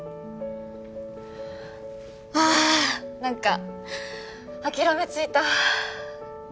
あ何か諦めついた